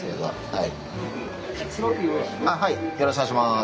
あっはいよろしくお願いします。